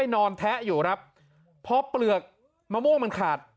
แทะอยู่ครับพอเปลือกมะม่วงมันขาด